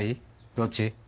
どっち？